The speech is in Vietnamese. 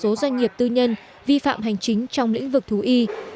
nó đã ra quyết định xử phạt một số doanh nghiệp tư nhân vi phạm hành chính trong lĩnh vực thú y